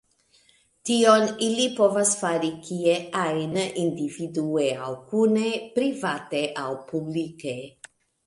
Tion ili povas fari kie ajn, individue aŭ kune, private aŭ publike.